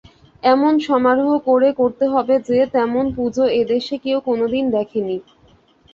এমন সমারোহ করে করতে হবে যে তেমন পূজা এ দেশে কেউ কোনোদিন দেখে নি।